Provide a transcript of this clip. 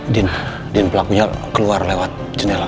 din pelakunya keluar lewat jendela